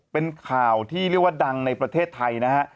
เป็นข่าวที่เรียกว่าดังในประเทศไทยนะฮะ